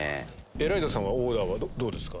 エライザさんはオーダーどうですか？